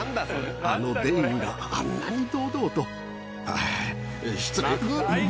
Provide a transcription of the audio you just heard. あのデインがあんなに堂々と、失礼。